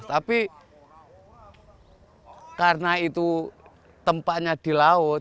tapi karena itu tempatnya di laut